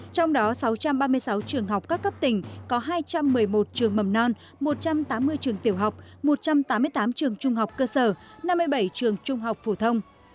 trong đó sáu trăm ba mươi sáu trường học các cấp tỉnh có hai trăm một mươi một trường mầm non một trăm tám mươi trường tiểu học một trăm tám mươi tám trường trung học cơ sở năm mươi bảy trường trung học phổ thông